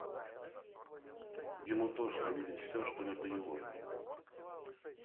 Ему тошно видеть всё, что не по его.